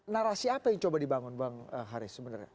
narasi apa yang coba dibangun bang haris sebenarnya